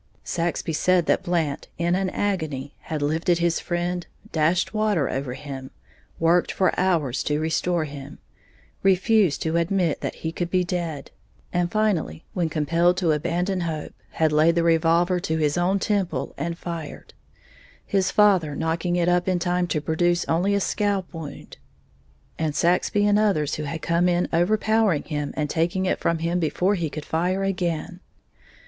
"] Saxby said that Blant, in an agony, had lifted his friend, dashed water over him, worked for hours to restore him, refused to admit that he could be dead; and finally, when compelled to abandon hope, had laid the revolver to his own temple and fired, his father knocking it up in time to produce only a scalp wound, and Saxby and others who had come in overpowering him and taking it from him before he could fire again.